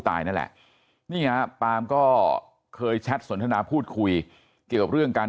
ตายนั่นแหละนี่ฮะปาล์มก็เคยแชทสนทนาพูดคุยเกี่ยวกับเรื่องการ